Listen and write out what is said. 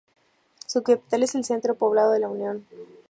Su capital es el centro poblado de La Unión.